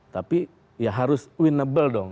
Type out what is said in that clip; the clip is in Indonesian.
tapi ya harus winnable dong